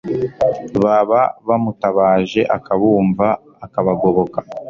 baba bamutabaje akabumva akabagoboka